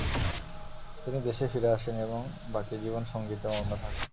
তিনি দেশে ফিরে আসেন এবং বাকি জীবন সঙ্গীতে মগ্ন থাকেন।